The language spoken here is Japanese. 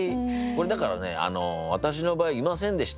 だからね私の場合「いませんでした」